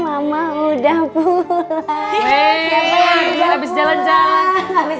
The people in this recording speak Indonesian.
mama udah pulang